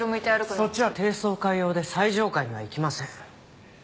そっちは低層階用で最上階には行きません。